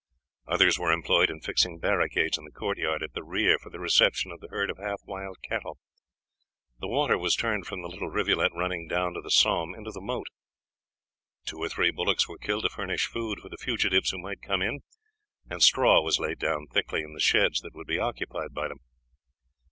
Others were employed in fixing barricades in the court yard at the rear for the reception of the herd of half wild cattle. The water was turned from the little rivulet running down to the Somme into the moat. Two or three bullocks were killed to furnish food for the fugitives who might come in, and straw was laid down thickly in the sheds that would be occupied by them.